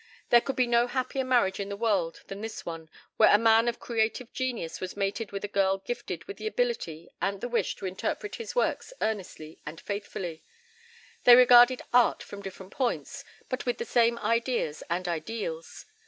There could be no happier marriage in the world than this one, where a man of creative genius was mated with a woman gifted with the ability and the wish to interpret his works earnestly and faithfully. They regarded art from different points, but with the same ideas and ideals.